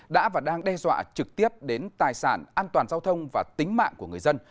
đã và đang đe dọa trực tiếp đến tài sản an toàn giao thông và tính mạng của người dân